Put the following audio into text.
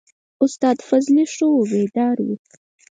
استاد فضلي ښه وو بیداره و.